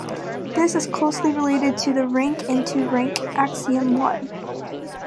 This is closely related to the rank-into-rank axiom I.